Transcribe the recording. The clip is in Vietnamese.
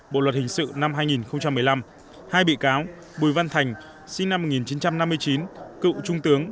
bộ luật hình sự năm hai nghìn một mươi năm hai bị cáo bùi văn thành sinh năm một nghìn chín trăm năm mươi chín cựu trung tướng